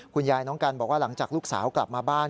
คุณยายน้องกันบอกว่าหลังจากลูกสาวกลับมาบ้าน